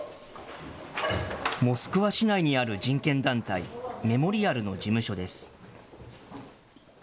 モスクワ市内にある人権団体、メモリアルの事務所です。